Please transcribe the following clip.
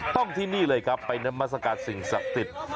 ต้องที่นี่เลยครับไปนามสกัดสิ่งสักติด